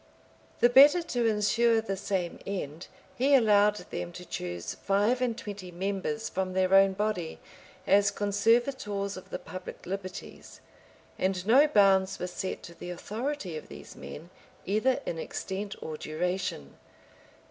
The better to insure the same end, he allowed them to choose five and twenty members from their own body, as conservators of the public liberties; and no bounds were set to the authority of these men either in extent or duration.